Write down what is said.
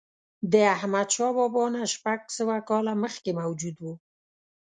د احمدشاه بابا نه شپږ سوه کاله مخکې موجود و.